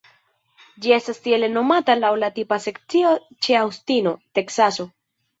Ĝi estas tiele nomata laŭ la tipa sekcio ĉe Aŭstino, Teksaso.